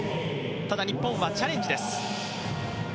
日本はチャレンジです。